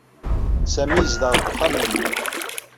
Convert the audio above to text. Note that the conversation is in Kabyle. Sami yezdeɣ deg uxxam-nni.